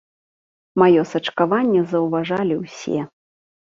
Маё сачкаванне заўважалі ўсе.